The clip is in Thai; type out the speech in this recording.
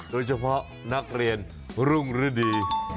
โดยเฉพาะนักเรียนรุ่งฤดี